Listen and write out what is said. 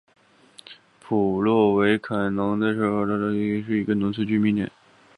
普洛塔韦茨农村居民点是俄罗斯联邦别尔哥罗德州科罗恰区所属的一个农村居民点。